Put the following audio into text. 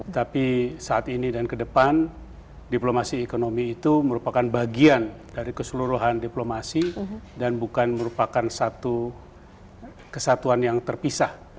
jadi saat ini dan ke depan diplomasi ekonomi itu merupakan bagian dari keseluruhan diplomasi dan bukan merupakan satu kesatuan yang terpisah